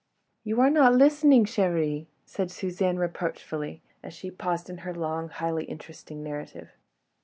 "You are not listening, chérie," said Suzanne, reproachfully, as she paused in her long, highly interesting narrative.